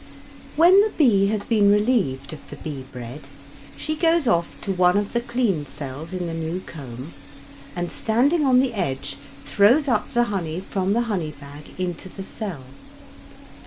When the bee has been relieved of the bee bread she goes off to one of the clean cells in the new comb, and, standing on the edge, throws up the honey from the honey bag into the cell.